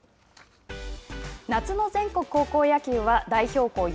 夏の全国高校野球は代表校４？